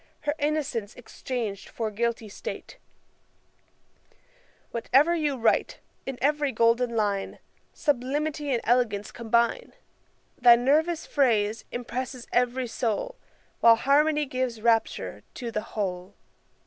Her innocence exchang'd for guilty state; Whatever you write, in every golden line Sublimity and elegance combine; Thy nervous phrase impresses every soul, While harmony gives rapture to the whole.'